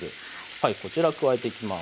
はいこちら加えていきます。